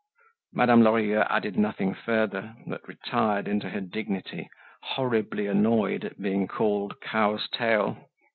Madame Lorilleux added nothing further, but retired into her dignity, horribly annoyed at being called Cow's Tail.